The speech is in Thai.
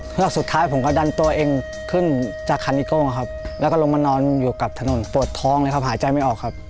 แล้วสุดท้ายผมก็ดันตัวเองขึ้นจากคันนิโก้ครับแล้วก็ลงมานอนอยู่กับถนนปวดท้องเลยครับหายใจไม่ออกครับ